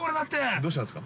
◆どうしたんですか。